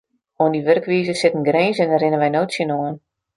Oan dy wurkwize sit in grins en dêr rinne wy no tsjinoan.